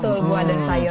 betul buah dan sayur